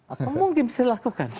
apa mungkin bisa dilakukan